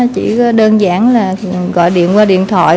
chỉ đơn giản là gọi điện qua điện thoại